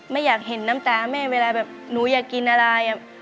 ไม่อยากเห็นน้ำตาแม่เวลาแบบหนูอยากกินอะไร